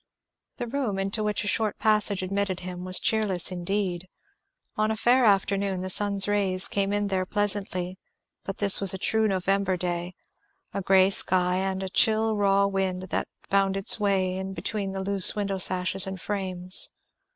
The room into which a short passage admitted him was cheerless indeed. On a fair afternoon the sun's rays came in there pleasantly, but this was a true November day; a grey sky and a chill raw wind that found its way in between the loose window sashes and frames.